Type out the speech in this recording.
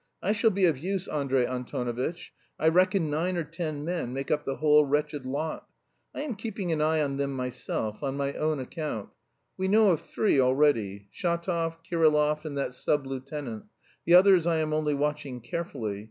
I shall be of use, Andrey Antonovitch! I reckon nine or ten men make up the whole wretched lot. I am keeping an eye on them myself, on my own account. We know of three already: Shatov, Kirillov, and that sub lieutenant. The others I am only watching carefully...